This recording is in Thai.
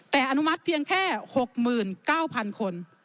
แต่อนุมัติเพียงแค่๖๙๐๐คน